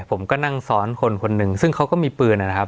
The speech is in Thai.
ผมก็นั่งซ้อนคนคนหนึ่งซึ่งเขาก็มีปืนนะครับ